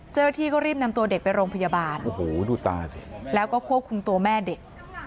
เจ้าหน้าที่ก็รีบนำตัวเด็กไปโรงพยาบาลโอ้โหดูตาสิแล้วก็ควบคุมตัวแม่เด็ก